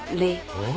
えっ。